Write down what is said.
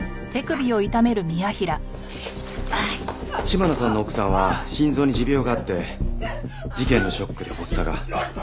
嶋野さんの奥さんは心臓に持病があって事件のショックで発作が。